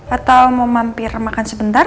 atau mau mampir makan sebentar